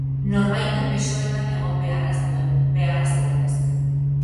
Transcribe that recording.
Norbaiten besoetan egon beharra zuen, beharra zuenez.